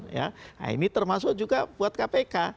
nah ini termasuk juga buat kpk